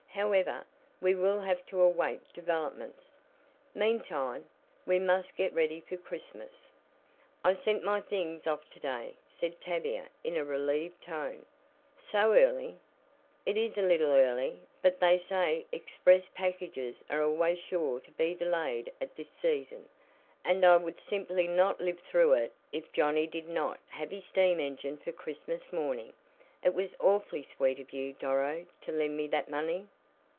However, we will have to await developments. Meantime, we must get ready for Christmas." "I sent my things off to day," said Tavia in a relieved tone. "So early?" "It is a little early, but they say express packages are always sure to be delayed at this season, and I would simply not live through it if Johnnie did not have his steam engine for Christmas morning. It was awfully sweet of you, Doro, to lend me that money."